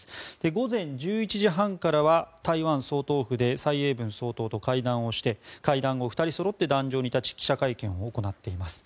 午前１１時半からは台湾総統府で蔡英文総統と会談をして会談後、２人そろって壇上に立ち記者会見を行っています。